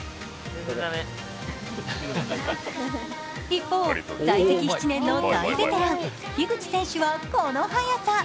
一方、在籍７年の大ベテラン、樋口選手はこの速さ。